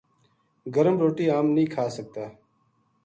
گرم روٹی ہم نیہہ کھا سکتا‘‘